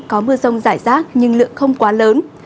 có mưa rông rải rác nhưng lượng không quá lớn